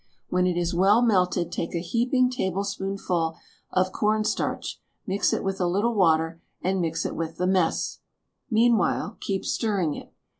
When it is well melted take a heaping tablespoonful of corn starch, mix it with a little water, and mix it with the mess. Meanwhile keep stirring it.